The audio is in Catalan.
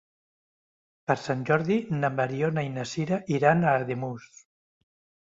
Per Sant Jordi na Mariona i na Sira iran a Ademús.